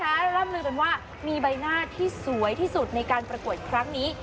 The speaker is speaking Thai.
และร่ำลือกันว่ามีใบหน้าที่สวยที่สุดในการประกวดครั้งนี้